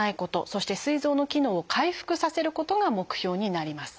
そしてすい臓の機能を回復させることが目標になります。